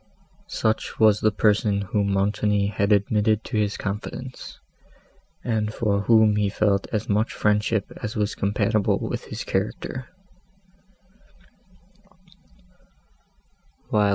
Such was the person whom Montoni had admitted to his confidence, and for whom he felt as much friendship as was compatible with his character.